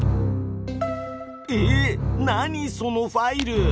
えっ何そのファイル！